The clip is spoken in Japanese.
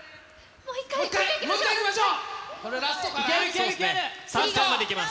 もう一回いきましょう。